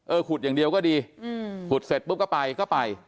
ขุดอย่างเดียวก็ดีขุดเสร็จปุ๊บก็ไปก็ไป